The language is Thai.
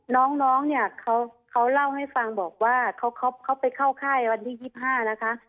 น้องเนี่ยเขาเล่าให้ฟังบอกว่าเขาไปเข้าค่ายวันที่๒๕นะคะ